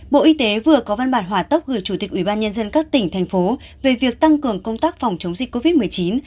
bộ y tế vừa có văn bản hòa tốc gửi chủ tịch ubnd các tỉnh thành phố về việc tăng cường công tác phòng chống dịch covid một mươi chín